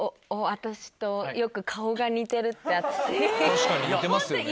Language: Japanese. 確かに似てますよね。